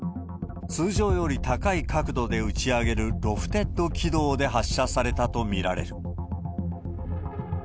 通常より高い角度で打ち上げるロフテッド軌道で発射されたと見られる。